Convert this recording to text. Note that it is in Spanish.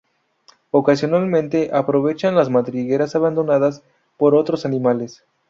Ocasionalmente aprovechan las madrigueras abandonadas por otros animales.